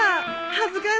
恥ずかしい。